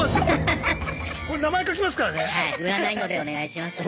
名前書きますからね！